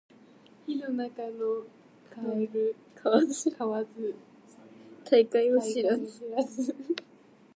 井の中の蛙大海を知らず